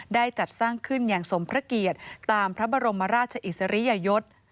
จัดสร้างขึ้นอย่างสมพระเกียรติตามพระบรมราชอิสริยยศ